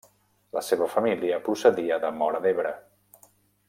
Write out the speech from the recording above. La seva família procedia de Móra d'Ebre.